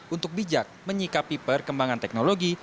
untuk bijak menyikapi perkembangan teknologi